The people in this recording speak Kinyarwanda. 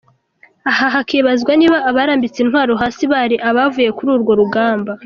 Aha hakibazwa niba abarambitse intwaro hasi, bari abavuye kuri urwo rugamba.